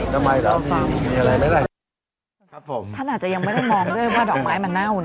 ทำไมล่ะมีอะไรไหมล่ะครับผมท่านอาจจะยังไม่ได้มองด้วยว่าดอกไม้มาเน่านะ